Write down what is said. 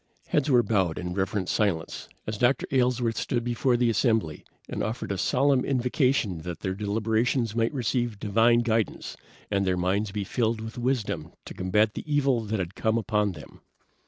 Heads were bowed in reverent silence as Dr. Aylesworth stood before the assembly and offered a solemn invocation that their deliberations might receive divine guidance, and their minds be filled with wisdom to combat the evil that had come upon them.